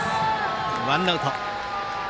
ワンアウト。